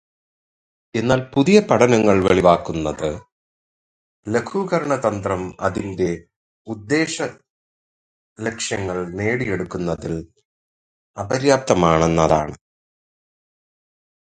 എന്നാൽ പുതിയ പഠനങ്ങൾ വെളിവാക്കുന്നത് ലഘൂകരണതന്ത്രം അതിന്റെ ഉദ്ദേശലക്ഷ്യങ്ങൾ നേടിയെടുക്കുന്നതിൽ അപര്യാപ്തമാണെന്നാണ്.